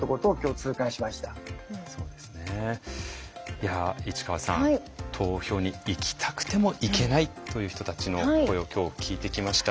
いや市川さん投票に行きたくても行けないという人たちの声を今日聞いてきました。